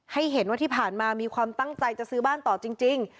ให้เห็นว่าที่ผ่านมามีความตั้งใจจะซื้อบ้านต่อจริง